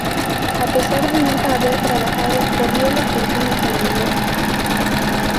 A pesar de nunca haber trabajado, corrió la fortuna familiar.